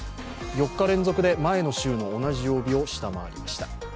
４日連続で前の週の同じ曜日を下回りました。